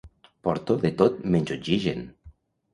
Porto de tot menys oxigen.